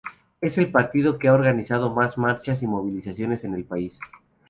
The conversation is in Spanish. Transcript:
Es el partido que ha organizado más marchas y movilizaciones en el país.